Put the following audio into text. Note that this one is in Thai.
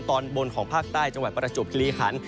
ตอนบนของภาคใต้จังหวัดประจวบคิริขัน